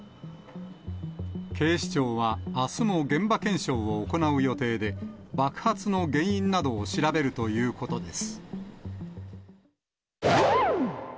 警視庁は、あすも現場検証を行う予定で、爆発の原因などを調べるということです。